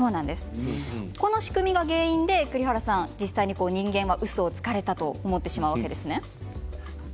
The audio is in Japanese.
この仕組みが原因で人間はうそをつかれたと思うわけですね。